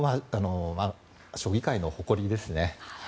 将棋界の誇りですね。